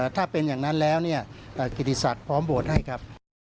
ถ้าเป็นอย่างนั้นแล้วเนี่ยกิติศักดิ์พร้อมโหวตให้ครับ